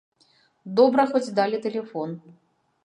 Добра хоць далі тэлефон.